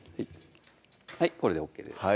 はいこれでＯＫです